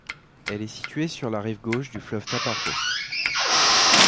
Elle est située sur la rive gauche du fleuve Tapajós.